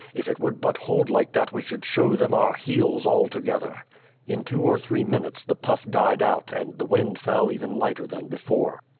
If it would but hold like that we should show them our heels altogether." In two or three minutes the puff died out and the wind fell even lighter than before.